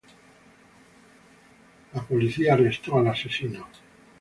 La policía arrestó al asesino.